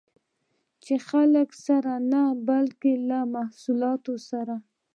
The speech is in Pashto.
چې له خلکو سره نه، بلکې له محصولات سره